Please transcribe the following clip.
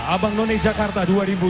abang none jakarta dua ribu dua puluh